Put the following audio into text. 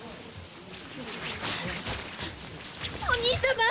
お兄様！